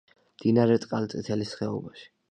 მდინარე წყალწითელის ხეობაში.